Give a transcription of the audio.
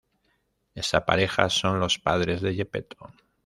Esa pareja son los padres de Geppetto.